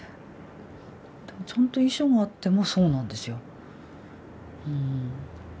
ちゃんと遺書があってもそうなんですよ。